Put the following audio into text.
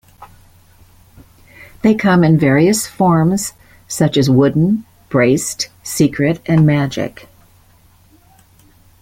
They come in various forms, such as Wooden, Braced, Secret, and Magic.